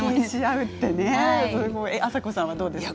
あさこさんは、どうですか。